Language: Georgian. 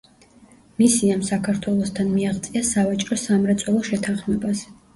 მისიამ საქართველოსთან მიაღწია სავაჭრო-სამრეწველო შეთანხმებას.